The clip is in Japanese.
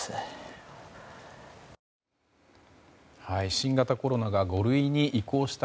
新型コロナが５類に移行した